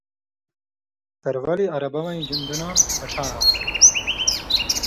ترولیۡ عربہ وَیں ژؤن٘دُناں بٹھہ آن٘س۔